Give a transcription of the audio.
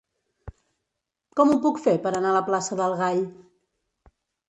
Com ho puc fer per anar a la plaça del Gall?